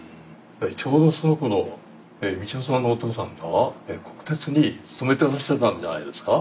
ちょうどそのころ道代さんのお父さんが国鉄に勤めてらっしゃったんじゃないですか？